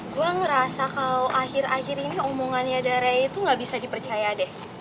gue ngerasa kalau akhir akhir ini omongannya dari rey tuh gak bisa dipercaya deh